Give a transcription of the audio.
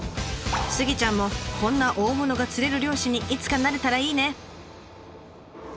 スギちゃんもこんな大物が釣れる漁師にいつかなれたらいいね！